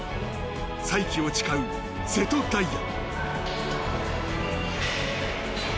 再起を誓う瀬戸大也。